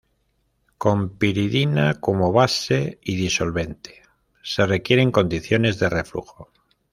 Con piridina como base y disolvente, se requieren condiciones de reflujo.